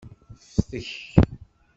Ftek.